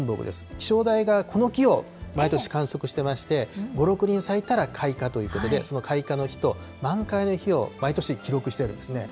気象台がこの木を毎年観測してまして、５、６輪咲いたら、開花ということで、その開花の日と満開の日を毎年、記録しているんですね。